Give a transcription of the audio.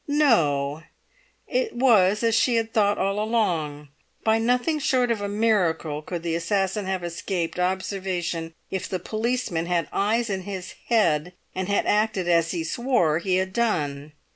No! It was as she had thought all along; by nothing short of a miracle could the assassin have escaped observation if the policeman had eyes in his head and had acted as he swore he had done.